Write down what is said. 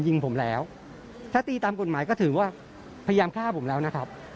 ยิงผมแล้วถ้าตีตามกฎหมายก็ถือว่าพยายามฆ่าผมแล้วนะครับ